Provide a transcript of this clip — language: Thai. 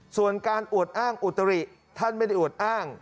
ส่วนการอวดอ้างอุตริท่านไม่ได้อวดอ้าง